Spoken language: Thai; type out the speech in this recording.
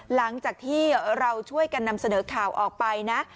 หลังจากที่เราช่วยกันนำเสนอข่าวออกไปนะ